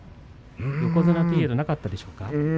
横綱といえどなかったでしょうか。